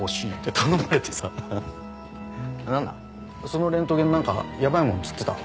そのレントゲン何かヤバいもん写ってた？